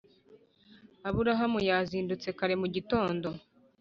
Aburahamu yazindutse kare mu gitondo.